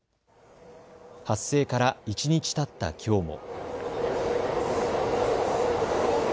発生から一日たったきょうも。